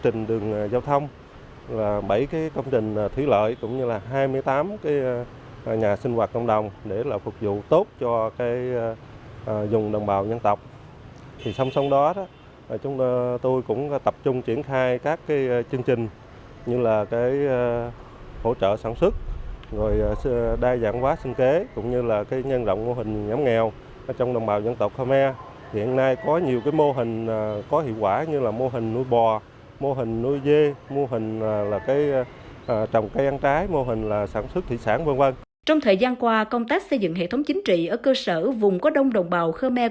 trong thời gian qua công tác xây dựng hệ thống chính trị ở cơ sở vùng có đông đồng bào khmer